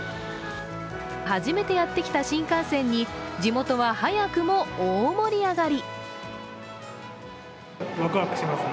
初めてやってきた新幹線に地元は早くも大盛り上がり。